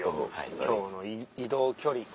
今日の移動距離。